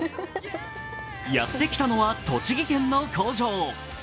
やってきたのは栃木県の工場。